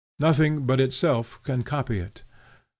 Nothing but itself can copy it.